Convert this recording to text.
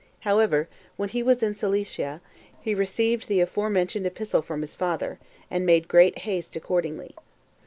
However, when he was in Cilicia, he received the forementioned epistle from his father, and made great haste accordingly.